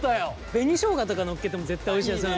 紅しょうがとかのっけても絶対おいしい。